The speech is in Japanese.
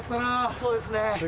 そうですね。